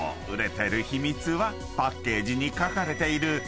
売れてる秘密はパッケージに書かれている